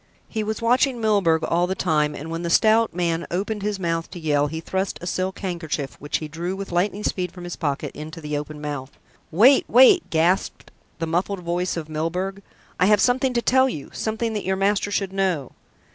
He was watching Milburgh all the time, and when the stout man opened his mouth to yell he thrust a silk handkerchief, which he drew with lightning speed from his pocket, into the open mouth. "Wait, wait!" gasped the muffled voice of Milburgh. "I have something to tell you something that your master should know."